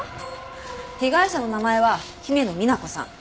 被害者の名前は姫野美那子さん。